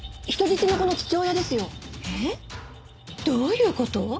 どういう事？